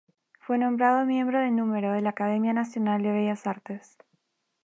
Fue nombrado miembro de número de la Academia Nacional de Bellas Artes...